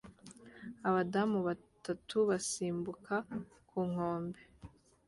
Abadamu batatu basimbuka ku nkombe